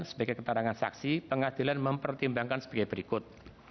sebagai keterangan saksi pengadilan mempertimbangkan sebagai berikut